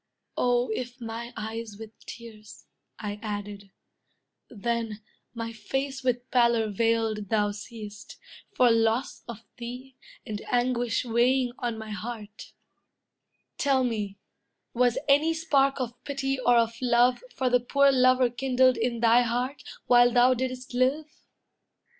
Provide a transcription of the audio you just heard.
"Oh if my eyes with tears," I added, "then, My face with pallor veiled thou seest, for loss Of thee, and anguish weighing on my heart; Tell me, was any spark of pity or of love For the poor lover kindled in thy heart, While thou didst live?